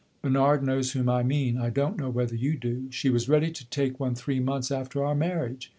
Bernard knows whom I mean; I don't know whether you do. She was ready to take one three months after our marriage.